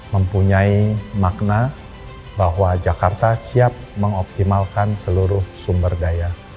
mempunyai makna bahwa jakarta siap mengoptimalkan seluruh sumber daya